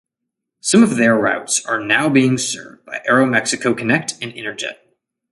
Some of their routes are now being served by Aeromexico Connect and Interjet.